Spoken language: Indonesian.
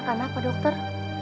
bagaimana pak dokter